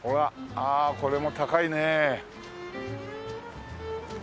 ああこれも高いね。